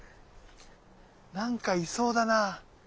何かいそうだな。